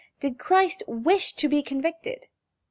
Did Christ wish to be convicted?